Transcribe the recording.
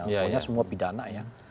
pokoknya semua pidana ya